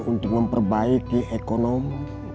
untuk memperbaiki ekonomi